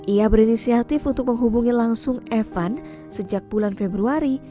ia berinisiatif untuk menghubungi langsung evan sejak bulan februari